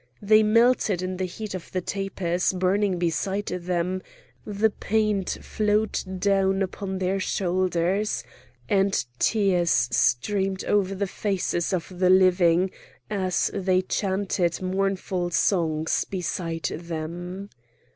They melted in the heat of the tapers burning beside them; the paint flowed down upon their shoulders, and tears streamed over the faces of the living, as they chanted mournful songs beside them.